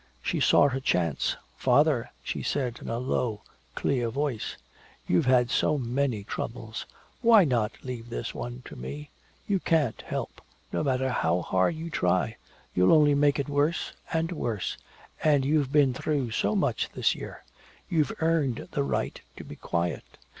She saw her chance. "Father," she said, in a low clear voice, "You've had so many troubles. Why not leave this one to me? You can't help no matter how hard you try you'll only make it worse and worse. And you've been through so much this year you've earned the right to be quiet.